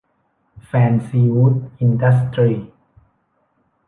แฟนซีวู๊ด อินดัสตรีส